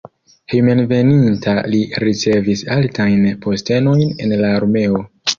Hejmenveninta li ricevis altajn postenojn en la armeo.